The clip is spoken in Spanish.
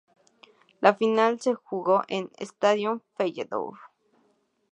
La final se jugó en el Stadion Feyenoord.